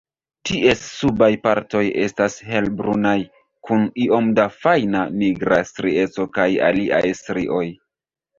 Ties subaj partoj estas helbrunaj kun iom da fajna nigra strieco kaj aliaj strioj.